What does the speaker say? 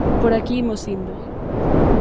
"Por aquí imos indo."